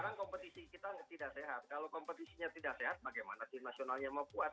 sekarang kompetisi kita tidak sehat kalau kompetisinya tidak sehat bagaimana tim nasionalnya mau kuat